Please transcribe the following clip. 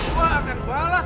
gue akan balas